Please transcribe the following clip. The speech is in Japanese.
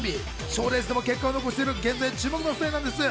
ショーレースでも結果を残している現在、注目の２人なんです。